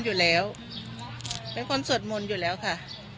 อยู่แล้วเป็นคนสวดมนต์อยู่แล้วค่ะ